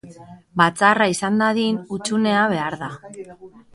Batzarra izan dadin hutsunea behar da.